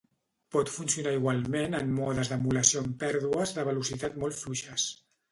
Pot funcionar igualment en modes d'emulació amb pèrdues de velocitat molt fluixes.